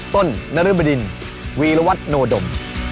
ต้นนรบดินวีรวัตโนดม